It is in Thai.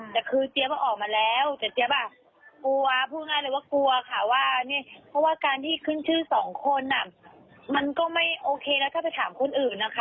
แต่คือเจี๊ยบก็ออกมาแล้วแต่เจี๊ยบอ่ะกลัวพูดง่ายเลยว่ากลัวค่ะว่าเนี่ยเพราะว่าการที่ขึ้นชื่อสองคนอ่ะมันก็ไม่โอเคแล้วถ้าไปถามคนอื่นนะคะ